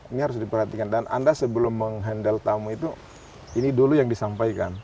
ini harus diperhatikan dan anda sebelum menghandle tamu itu ini dulu yang disampaikan